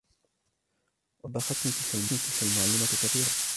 وبختني تلك المعلمة كثيرًا.